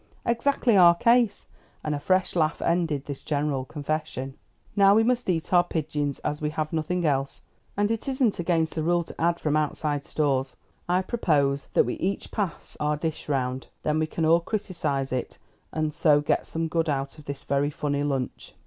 "Exactly our case," and a fresh laugh ended this general confession. "Now we must eat our pigeons, as we have nothing else, and it is against the rule to add from outside stores. I propose that we each pass our dish round; then we can all criticise it, and so get some good out of this very funny lunch."